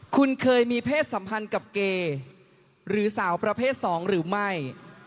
คุณเคยมีเพศสัมพันธ์กับเกย์หรือสาวประเภท๒หรือไม่